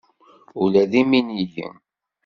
Ula d iminigen.